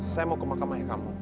saya mau ke makam ayah kamu